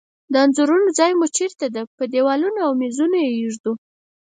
د انځورونو ځای مو چیرته ده؟ په دیوالونو او میزونو یی ایږدو